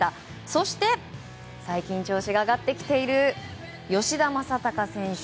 そして、最近調子が上がってきている吉田正尚選手